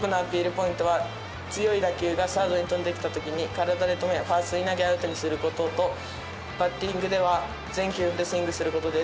ポイントは強い打球がサードに飛んできたときに体で止めファーストに投げアウトにすることとバッティングでは全球フルスイングすることです。